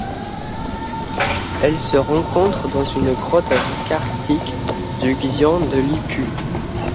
Elle se rencontre dans une grotte karstique du xian de Lipu.